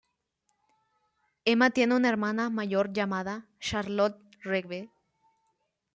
Emma tiene una hermana mayor llamada, Charlotte Rigby.